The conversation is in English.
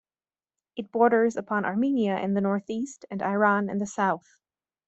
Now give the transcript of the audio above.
Its borders upon Armenia in the North-East, and Iran in the South.